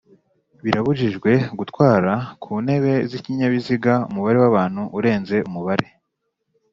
Birabujijwe gutwara ku ntebe z ikinyabiziga umubare w abantu urenze umubare